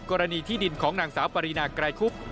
กรณีที่ดินของนางสาวปรินาไกรคุบ